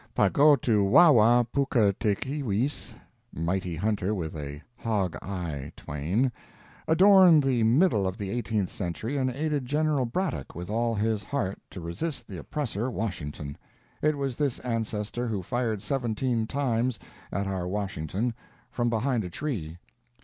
Pah go to wah wah pukketekeewis (Mighty Hunter with a Hog Eye Twain) adorned the middle of the eighteenth century, and aided General Braddock with all his heart to resist the oppressor Washington. It was this ancestor who fired seventeen times at our Washington from behind a tree.